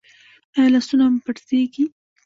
ایا لاسونه مو پړسیږي؟